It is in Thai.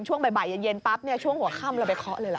ช่วงบ่ายเย็นปั๊บช่วงหัวค่ำเราไปเคาะเลยล่ะ